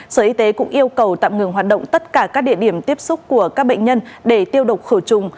sở y tế cũng yêu cầu tạm ngừng hoạt động tất cả các địa điểm tiếp xúc của các bệnh nhân để tiêu độc khử trùng